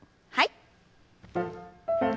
はい。